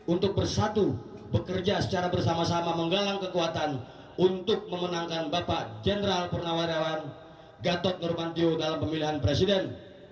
untuk bersatu bekerja secara bersama sama menggalang kekuatan untuk memenangkan bapak general purnawirawan gatot turmantio dalam pemilihan presiden dua ribu sembilan belas dua ribu dua puluh empat